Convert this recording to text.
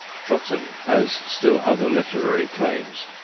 Trotton has still other literary claims.